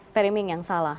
framing yang salah